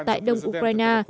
tại đông ukraine